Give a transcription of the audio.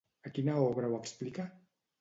A quina obra ho explica?